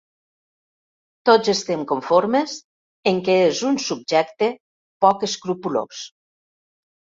Tots estem conformes en que és un subjecte poc escrupolós